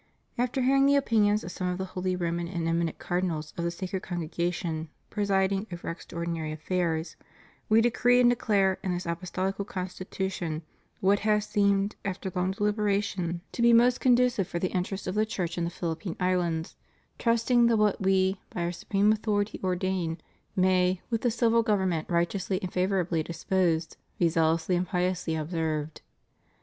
After hearing the opinions of some of the Holy Roman and Eminent Cardinals of the Sacred Congregation presiding over Extraordinary Affairs, We decree and declare in this Apostolical Constitution what has seemed, after long deliberation, to be most conducive for the interests of the Church in the Philippine Islands, trusting that what We, by Our supreme authority ordain, may, with the civil government righteously and favorably disposed, be zealously and piously observed.